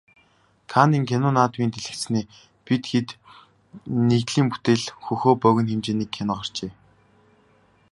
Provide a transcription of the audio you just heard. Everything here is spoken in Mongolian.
Каннын кино наадмын дэлгэцнээ "Бид хэд" нэгдлийн бүтээл "Хөхөө" богино хэмжээний кино гарчээ.